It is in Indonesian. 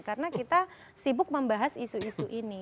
karena kita sibuk membahas isu isu ini